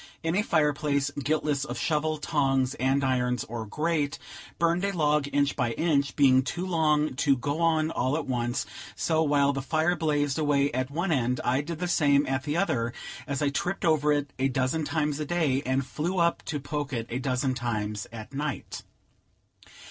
In a fire place, guiltless of shovel, tongs, andirons, or grate, burned a log, inch by inch, being too long to to go on all at once; so, while the fire blazed away at one end, I did the same at the other, as I tripped over it a dozen times a day, and flew up to poke it a dozen times at night.